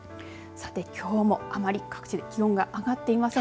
さて、きょうもあまり各地で気温が上がっていません。